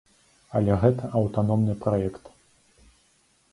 Але гэта аўтаномны праект.